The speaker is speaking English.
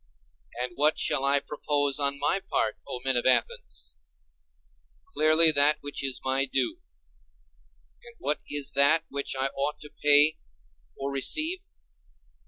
And what shall I propose on my part, O men of Athens? Clearly that which is my due. And what is that which I ought to pay or to receive?